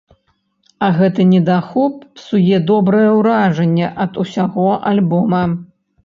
А гэты недахоп псуе добрае ўражанне ад усяго альбома.